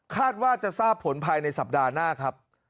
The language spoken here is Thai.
คาดว่าจะทราบผลภายในสัปดาห์หน้าครับ